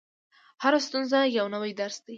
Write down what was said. • هره ستونزه یو نوی درس لري.